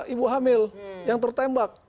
ibu hamil yang tertembak